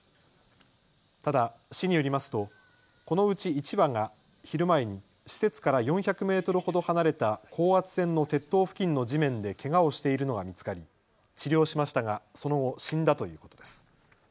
ただ、市によりますとこのうち１羽が昼前に施設から４００メートルほど離れた高圧線の鉄塔付近の地面でけがをしているのが見つかり治療しましたがその後、死んだということです。